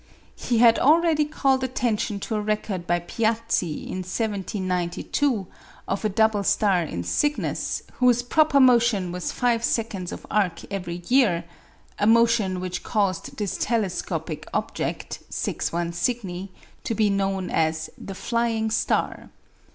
He had already called attention to a record by Piazzi in 1792 of a double star in Cygnus whose proper motion was five seconds of arc every year a motion which caused this telescopic object, 61 Cygni, to be known as "the flying star."